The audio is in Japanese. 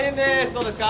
どうですか？